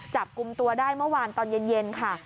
จับกลุ่มตัวได้เมื่อวานตอนเย็นค่ะ